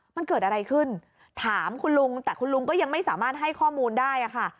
มันเกิดอะไรขึ้นถามคุณลุงแต่คุณลุงก็ยังไม่สามารถให้ข้อมูลได้ค่ะ